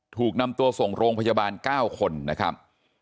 ถูกนำตัวส่งโรงพยาบาล๙คนนะครับ